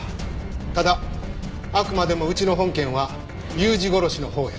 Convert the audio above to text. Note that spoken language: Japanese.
ただあくまでもうちの本件は裕二殺しのほうや。